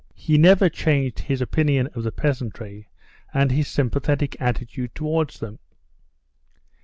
He never changed his opinion of the peasantry and his sympathetic attitude towards them.